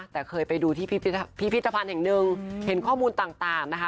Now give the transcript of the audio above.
แต่เคยไปดูที่พิพิธภัณฑ์แห่งหนึ่งเห็นข้อมูลต่างนะคะ